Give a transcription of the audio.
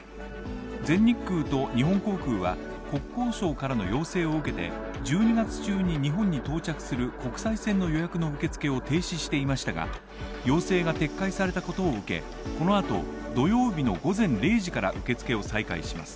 全日空と日本航空は、国交省からの要請を受けて１２月中に日本に到着する国際線の予約の受け付けを停止していましたが、要請が撤回されたことを受け、その後、土曜日の午前０時から受け付けを再開します